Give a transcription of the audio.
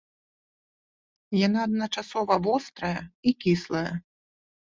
Яна адначасова вострая і кіслая.